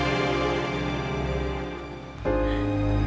tidak ada suara orang nangis